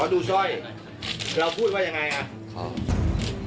หลังอย่างนั้นเราทำอย่างไร